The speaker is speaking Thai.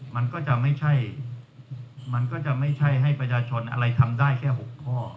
มันก็จะไม่ใช่ให้ประชาชนอะไรทำได้แค่๖ข้อ